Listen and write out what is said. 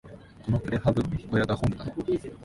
このプレハブ小屋が本部なの？